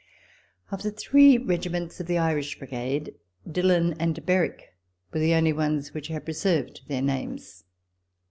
Of the three regiments of the Irish Brigade, Dillon and Berwick were the only ones which had preserved their names.